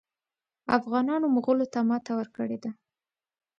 افغانانو مغولو ته ماته ورکړې ده.